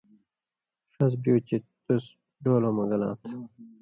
ݜس بیُو چے تُس (ڈولؤں مہ) گلاں تھہ